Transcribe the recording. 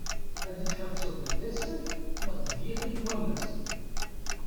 Ad tḥebseḍ deg Tasaft neɣ deg Iɣil n wammas?